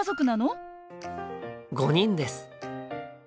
５人です。